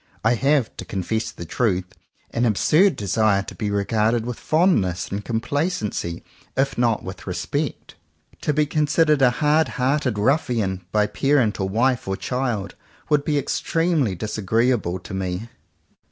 I have, to confess the truth, an absurd desire to be regarded with fondness and complacency, if not with respect. To be considered a hard hearted ruffian, by parent or wife or child, would be ex tremely disagreeable to me.